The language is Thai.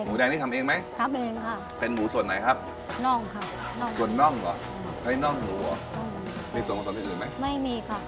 แดงนี่ทำเองไหมทำเองค่ะเป็นหมูส่วนไหนครับน่องค่ะน่องส่วนน่องเหรอใช้น่องหัวมีส่วนผสมอื่นไหมไม่มีค่ะ